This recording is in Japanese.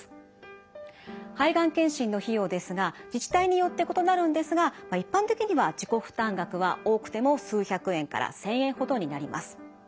肺がん検診の費用ですが自治体によって異なるんですが一般的には自己負担額は多くても数百円千円ほどになります。